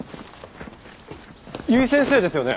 由井先生ですよね？